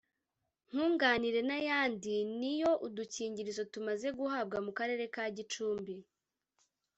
Nkunganire n’ayandi niyo udukingirizo tumaze guhabwa mu Karere ka Gicumbi